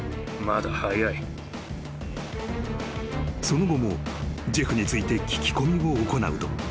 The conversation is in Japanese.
［その後もジェフについて聞き込みを行うと］